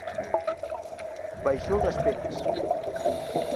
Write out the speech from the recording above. “Baixou das penas”.